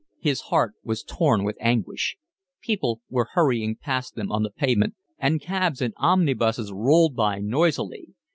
His heart was torn with anguish. People were hurrying past them on the pavement, and cabs and omnibuses rolled by noisily.